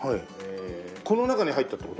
この中に入ったって事？